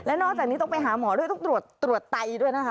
นอกจากนี้ต้องไปหาหมอด้วยต้องตรวจไตด้วยนะคะ